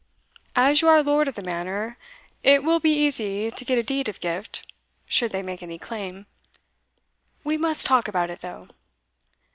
As you are lord of the manor, it will be easy to get a deed of gift, should they make any claim. We must talk about it, though."